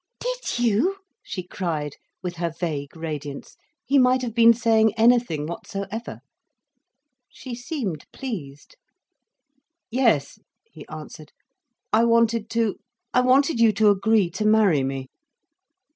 "Did you?" she cried, with her vague radiance. He might have been saying anything whatsoever. She seemed pleased. "Yes," he answered. "I wanted to—I wanted you to agree to marry me."